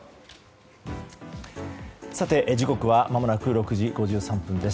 時刻はまもなく６時５３分です。